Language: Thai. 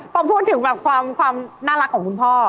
พอพูดถึงแบบความน่ารักของคุณพ่อ